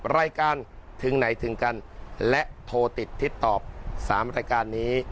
รายการถึงไหนถึงกันและโทรติดทิศตอบ๓รายการนี้